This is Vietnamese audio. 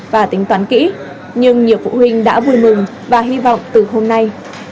và tính toán kỹ nhưng nhiều phụ huynh đã vui mừng và hy vọng từ hôm nay